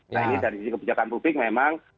nah ini dari sisi kebijakan publik memang